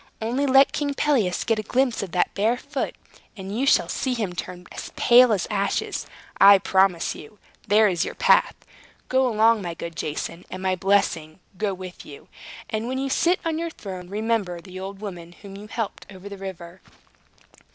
"Only let King Pelias get a glimpse of that bare foot, and you shall see him turn as pale as ashes, I promise you. There is your path. Go along, my good Jason, and my blessing go with you. And when you sit on your throne remember the old woman whom you helped over the river."